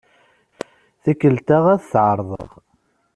Tikkelt-a ad t-ɛerḍeɣ.